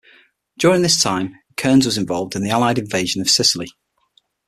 During this time, "Cairns" was involved in the Allied invasion of Sicily.